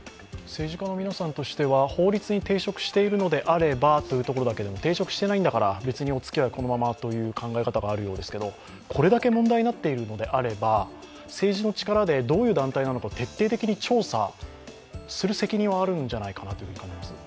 政治家の皆さんとしては、法律に抵触しているのであればということころで、抵触していないんだから、おつきあいはこのままということだと思いますがこれだけ問題になっているのであれば、政治の力でどういう団体なのか徹底的に調査する責任はあるんじゃないかと感じています。